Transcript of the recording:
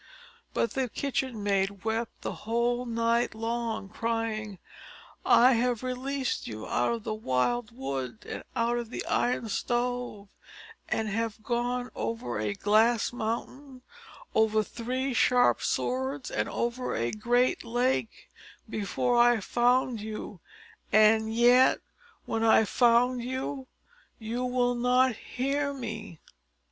But the kitchen maid wept the whole night long, crying: "I have released you out of a wild wood, and out of an Iron Stove; and have gone over a glass mountain, over three sharp swords, and over a great lake, before I found you; and yet, when I find you, you will not hear me."